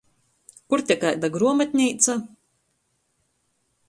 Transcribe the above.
Kur te kaida gruomatneica?